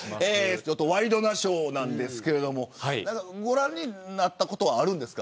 ワイドナショーなんですけどご覧になったことあるんですか。